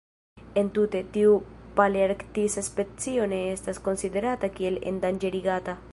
Entute, tiu palearktisa specio ne estas konsiderata kiel endanĝerigata.